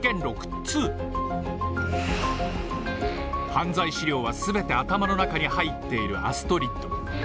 犯罪資料はすべて頭の中に入っているアストリッド。